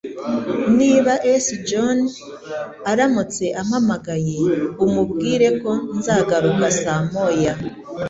Niba S John aramutse ampamagaye, umubwire ko nzagaruka saa moya.